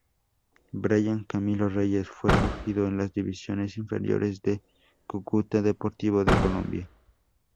Brayan Camilo Reyes, fue surgido en las divisiones inferiores del Cúcuta Deportivo de Colombia.